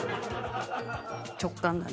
直感だね。